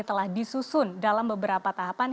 telah disusun dalam beberapa tahapan